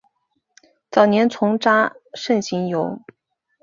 早年从查慎行游。